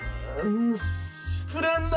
失恋だ！